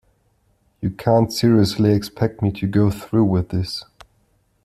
You can't seriously expect me to go through with this?